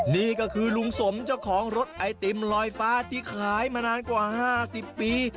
นี่ก็คือลุงสมเจ้าของรถไอติมลอยฟ้าที่ขายมานานกว่า๕๐ปี